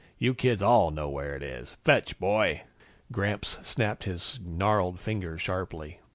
You kids all know where it is. Fetch, boy!" Gramps snapped his gnarled fingers sharply.